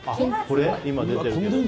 今、出てるけど。